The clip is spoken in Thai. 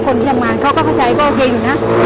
คนที่ทำงานเขาก็เข้าใจก็โอเคอยู่นะ